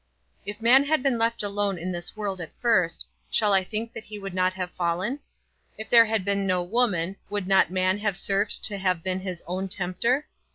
If man had been left alone in this world at first, shall I think that he would not have fallen? If there had been no woman, would not man have served to have been his own tempter?